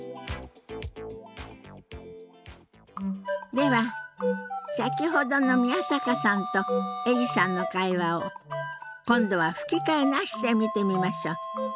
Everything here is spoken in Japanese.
では先ほどの宮坂さんとエリさんの会話を今度は吹き替えなしで見てみましょう。